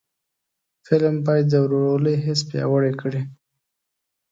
فلم باید د ورورولۍ حس پیاوړی کړي